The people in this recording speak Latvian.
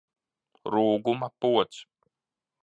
Rūguma pods!